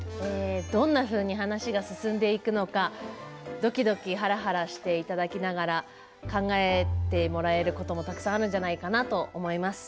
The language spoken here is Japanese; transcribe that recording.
どんなふうに話が進んでいくのかどきどきはらはらしていただきながら考えてもらえることもたくさんあるんじゃないかなと思います。